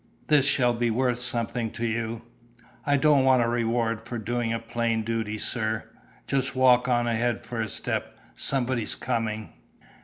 This shall be worth something to you." "I don't want a reward for doing a plain duty, sir. Just walk on ahead for a step; somebody's coming."